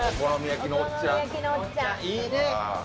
いいね。